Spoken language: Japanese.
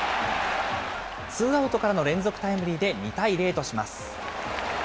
ツーアウトからの連続タイムリーで２対０とします。